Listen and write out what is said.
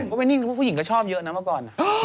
ก็ไม่นิ่งเพราะผู้หญิงก็ชอบเยอะนะเมื่อก่อน